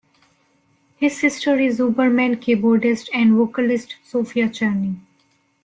His sister is Ooberman keyboardist and vocalist Sophia Churney.